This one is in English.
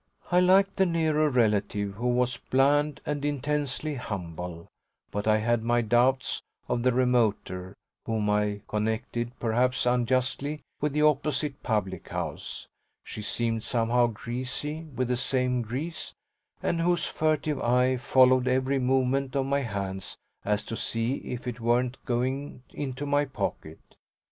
I liked the nearer relative, who was bland and intensely humble, but I had my doubts of the remoter, whom I connected perhaps unjustly with the opposite public house she seemed somehow greasy with the same grease and whose furtive eye followed every movement of my hand as to see if it weren't going into my pocket.